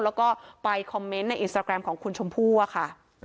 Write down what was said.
แล้วก็ไปคอมเมนต์ในอินสตราแกรมของคุณชมพู่ค่ะ